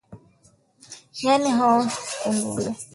Nyani haoni kundule